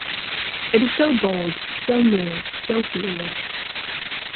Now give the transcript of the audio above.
It is so bold, so new, so fearless.